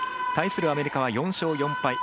対するアメリカは４勝４敗。